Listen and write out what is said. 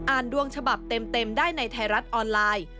ดวงฉบับเต็มได้ในไทยรัฐออนไลน์